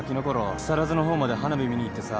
木更津の方まで花火見に行ってさ。